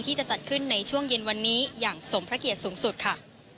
จะจัดขึ้นในช่วงเย็นวันนี้อย่างสมพระเกียรติสูงสุดค่ะ